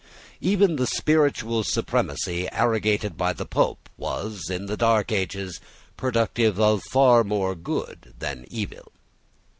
Even the spiritual supremacy arrogated by the Pope was, in the dark ages, productive of far more good than evil.